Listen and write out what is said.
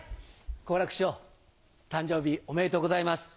好楽師匠誕生日おめでとうございます。